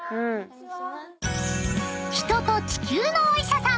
［人と地球のお医者さん］